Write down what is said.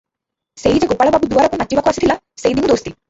ସେଇ ଯେ ଗୋପାଳ ବାବୁ ଦୁଆରକୁ ନାଚିବାକୁ ଆସିଥିଲା, ସେଇ ଦିନୁ ଦୋସ୍ତି ।